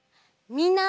みんな！